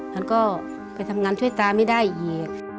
มันก็ไปทำงานช่วยตาไม่ได้อีก